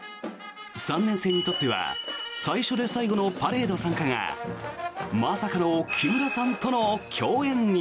３年生にとっては最初で最後のパレード参加がまさかの木村さんとの共演に。